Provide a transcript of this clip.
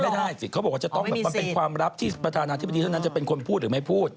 ไม่ได้สิเขาบอกว่าจะต้องแบบมันเป็นความลับที่ประธานาธิบดีเท่านั้นจะเป็นคนพูดหรือไม่พูด